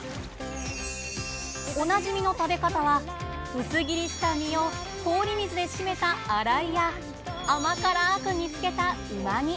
おなじみの食べ方は薄切りした身を氷水で締めた「洗い」や甘辛く煮つけた「うま煮」。